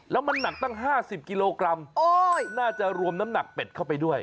แล้วมันหนักตั้ง๕๐กิโลกรัมน่าจะรวมน้ำหนักเป็ดเข้าไปด้วย